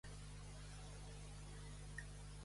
Qui va ser Biant?